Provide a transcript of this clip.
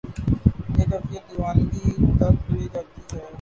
یہ کیفیت دیوانگی تک لے جاتی ہے۔